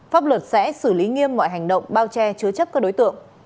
pháp luật sẽ xử lý nghiêm mọi hành động bao che chứa chấp các đối tượng